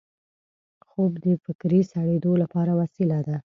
خوب د فکري سړېدو لپاره وسیله ده